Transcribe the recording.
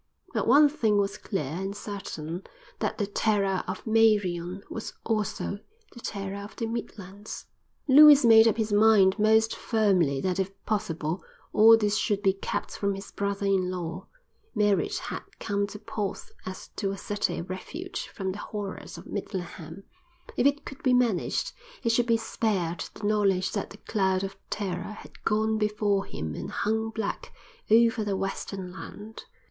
But one thing was clear and certain: that the terror of Meirion was also the terror of the Midlands. Lewis made up his mind most firmly that if possible all this should be kept from his brother in law. Merritt had come to Porth as to a city of refuge from the horrors of Midlingham; if it could be managed he should be spared the knowledge that the cloud of terror had gone before him and hung black over the western land.